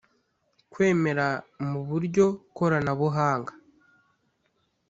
Kwemera mu buryo koranabuhanga